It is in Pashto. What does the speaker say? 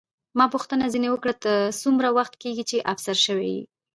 ما پوښتنه ځیني وکړه، ته څومره وخت کېږي چې افسر شوې یې؟